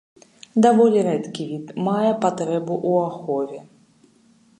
Даволі рэдкі від, мае патрэбу ў ахове.